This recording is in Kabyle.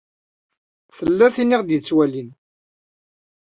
Tella tin i ɣ-d-ittwalin.